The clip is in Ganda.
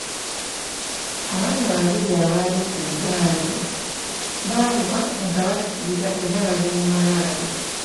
Abaana babiri abaali ku ggaali baagwa nga bakkirira era bali mu malwaliro.